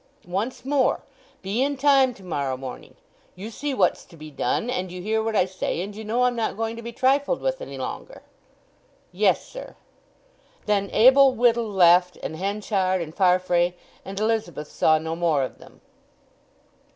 "Once more—be in time to morrow morning. You see what's to be done, and you hear what I say, and you know I'm not going to be trifled with any longer." "Yes, sir." Then Abel Whittle left, and Henchard and Farfrae; and Elizabeth saw no more of them.